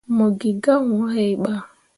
Mo gi gah wuu hai bah.